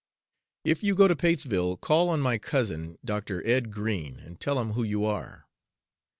If you go to Patesville, call on my cousin, Dr. Ed. Green, and tell him who you are.